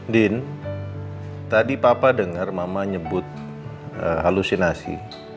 din tadi papa denger mama nyebut halusinasi